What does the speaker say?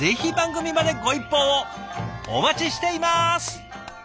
お待ちしています！